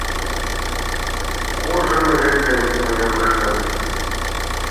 Куржын лектым уремышке